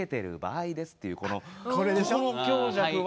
ここの強弱は。